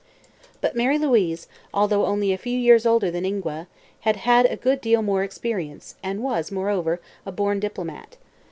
But Mary Louise, although only a few years older than Ingua, had had a good deal more experience and was, moreover, a born diplomat.